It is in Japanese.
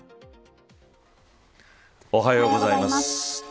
おはようございます。